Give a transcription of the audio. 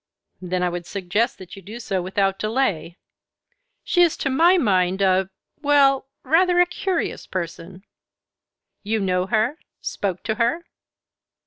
"Then I would suggest that you do so without delay. She is to my mind a well, rather a curious person." "You know her spoke to her?"